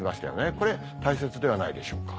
これ大切ではないでしょうか。